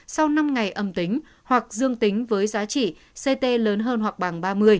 sau năm ngày âm tính hoặc dương tính với giá trị ct lớn hơn hoặc bằng ba mươi